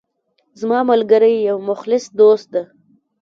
زما ملګری یو مخلص دوست ده